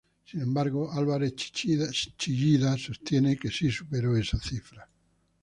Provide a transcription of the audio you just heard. Sin embargo, Álvarez Chillida sostiene que sí superó esa cifra.